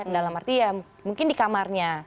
dalam arti ya mungkin di kamarnya